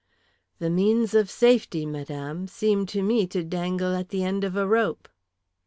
"The means of safety, madame, seem to me to dangle at the end of a rope."